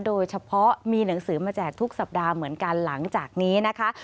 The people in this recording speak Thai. โดยเฉพาะมีหนังสือมาแจกทุกสัปดาห์เหมือนกันหลังจากนี้นะคะ